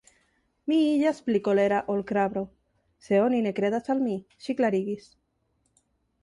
Mi iĝas pli kolera ol krabro, se oni ne kredas al mi, ŝi klarigis.